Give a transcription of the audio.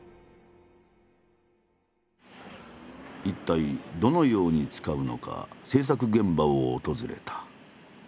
一体どのように使うのか制作現場を訪れた。